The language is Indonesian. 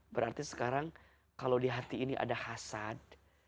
berarti sekarang kalau di hati ini ada hasad